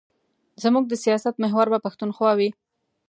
زموږ د سیاست محور به پښتونخوا وي.